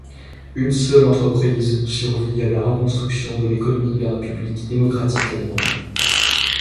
Une seule entreprise survit à la reconstruction de l'économie de la République démocratique allemande.